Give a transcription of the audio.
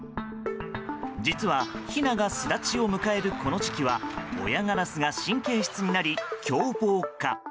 実は、ヒナが巣立ちを迎えるこの時期は親ガラスが神経質になり凶暴化。